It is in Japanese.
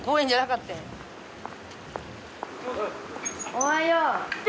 おはよう。